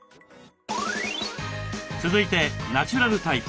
続いてナチュラルタイプ。